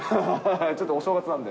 ちょっとお正月なんで。